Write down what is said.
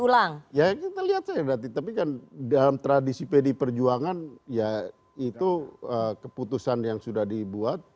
ulang ya kita lihat saja tapi kan dalam tradisi pd perjuangan ya itu keputusan yang sudah dibuat